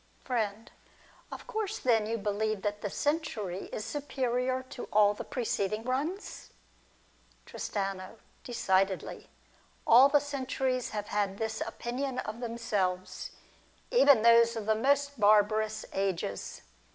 Friend. Of course, then, you believe that this century is superior to all the preceding ones ? Tristano. Decidedly. All the centuries have had this opinion of themselves ; even those of the most barbarous ages.